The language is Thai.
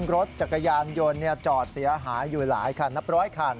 รถจักรยานยนต์จอดเสียหายอยู่หลายคันนับร้อยคัน